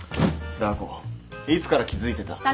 ダー子いつから気付いてた？